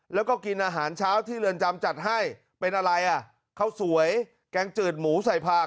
แล้วก็กินอาหารเช้าที่เรือนจำจัดให้เป็นอะไรอ่ะข้าวสวยแกงจืดหมูใส่ผัก